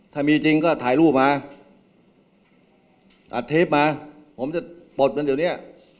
ถ้ามีจริงก็ถ่ายรูปมาอัดเทปมาผมจะปลดกันเดี๋ยวเนี้ย